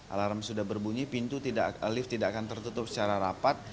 alarm sudah berbunyi pintu lift tidak akan tertutup secara rapat